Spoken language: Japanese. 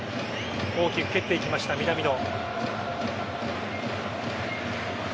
大きく蹴っていきました南野。